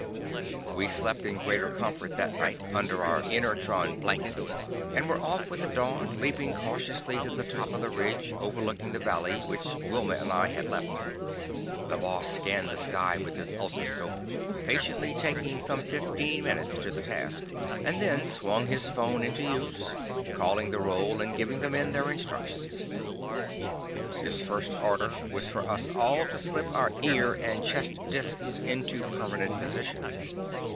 We slept in greater comfort that night, under our inertron blankets, and were off with the dawn, leaping cautiously to the top of the ridge overlooking the valley which Wilma and I had left. The Boss scanned the sky with his ultroscope, patiently taking some fifteen minutes to the task, and then swung his phone into use, calling the roll and giving the men their instructions. His first order was for us all to slip our ear and chest discs into permanent position.